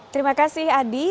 terima kasih adi